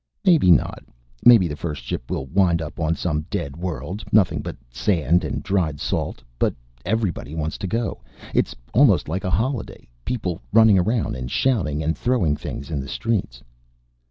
"Maybe not. Maybe the first ship will wind up on some dead world, nothing but sand and dried salt. But everybody wants to go. It's almost like a holiday. People running around and shouting and throwing things in the streets.